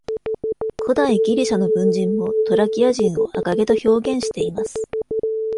古代ギリシャの文人もトラキア人を赤毛と表現しています。